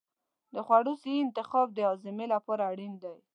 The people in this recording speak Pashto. د خوړو صحي انتخاب د هاضمې لپاره اړین دی.